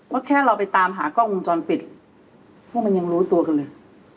แค่เราไปตามหากล้องวงจรปิดพวกมันยังรู้ตัวกันเลย